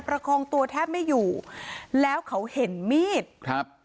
ประคองตัวแทบไม่อยู่แล้วเขาเห็นมีดครับ